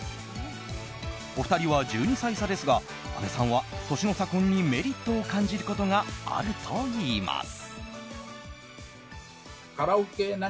お二人は１２歳差ですがあべさんは年の差婚にメリットを感じることがあるといいます。